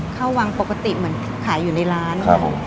ข้าววังปกติเหมือนขายอยู่ในร้านค่ะ